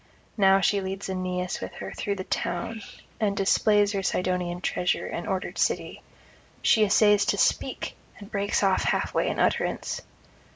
Now she leads Aeneas with her through the town, and displays her Sidonian treasure and ordered city; she essays to speak, and breaks off half way in utterance.